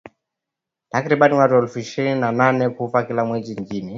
Takribani watu elfu ishirini na nane hufa kila mwaka nchini